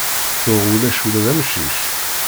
Tuɣ ulac ula d amcic.